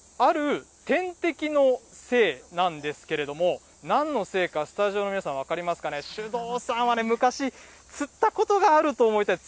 これ、ある天敵のせいなんですけれども、なんのせいか、スタジオの皆さん、分かりますかね、首藤さんはね、昔、釣ったことがあると思いたい。